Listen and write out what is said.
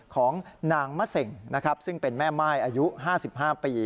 ของหนางมะเส่งซึ่งเป็นแม่ไม่อายุ๕๕ปี